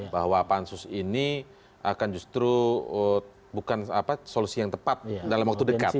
bahwa pansus ini akan justru bukan solusi yang tepat dalam waktu dekat